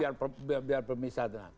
ya betul ini biar pemisah tenang